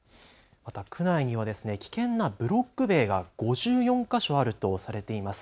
また区内には危険なブロック塀が５４か所あるとされています。